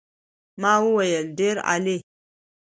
ما وویل ډېر عالي.